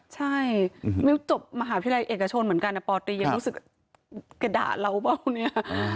ใช่มิ้วจบมหาวิทยาลัยเอกชนเหมือนกันปตรียังรู้สึกกระด่าเราเปล่าเนี่ย